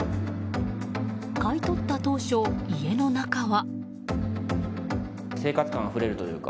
買い取った当初、家の中は。